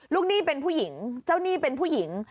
หนี้เป็นผู้หญิงเจ้าหนี้เป็นผู้หญิง